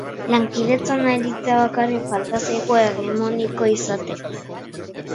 Lankidetzan aritzea bakarrik falta zaigu hegemoniko izateko.